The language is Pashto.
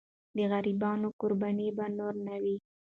د غریبانو قرباني به نور نه وي.